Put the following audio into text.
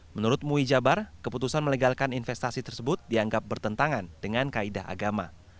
menurut mui jabar keputusan melegalkan investasi tersebut dianggap bertentangan dengan kaedah agama